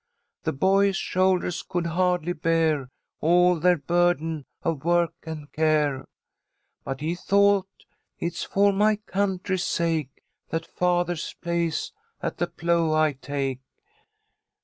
The boyish shoulders could hardly bear All their burden of work and care. But he thought, 'It is for my country's sake That father's place at the plough I take.